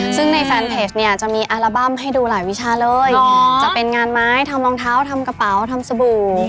ซึ่งในแฟนเพจเนี่ยจะมีอัลบั้มให้ดูหลายวิชาเลยจะเป็นงานไม้ทำรองเท้าทำกระเป๋าทำสบู่